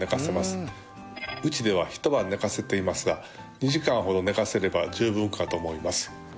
うちでは一晩寝かせていますが２時間ほど寝かせれば十分かと思います。